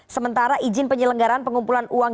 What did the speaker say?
sementara izin penyelenggaraan pengumpulan uang